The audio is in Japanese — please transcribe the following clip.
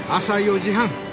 朝４時半。